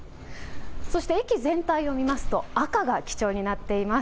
そして駅全体を見ますと赤が基調になっています。